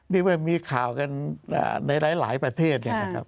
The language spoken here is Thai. นี่มีข่าวกันในหลายประเทศ